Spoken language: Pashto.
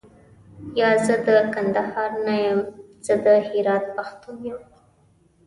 یا، زه د کندهار نه یم زه د هرات پښتون یم.